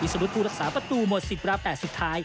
อิสรุทธิ์รักษาประตูหมด๑๐รับ๘สุดท้าย